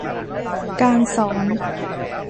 การสอน